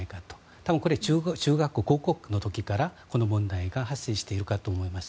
多分これは中学校、高校の時からこの問題が発生しているかと思います。